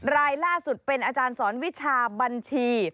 รายล่าสุดเป็นอาจารย์สอนวิชาบัญชี